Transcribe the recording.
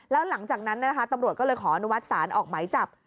แล้วหลังจากนั้นตำรวจก็เลยขออนุมัติศาลออกหมายจับ